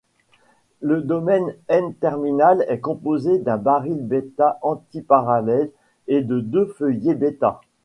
Le domaine N-terminal est composé d’un baril-bêta antiparallèle et de deux feuillets bêta.